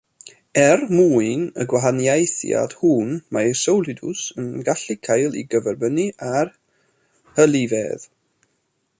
Er mwyn y gwahaniaethiad hwn, mae'r solidws yn gallu cael ei gyferbynnu â'r hylifedd.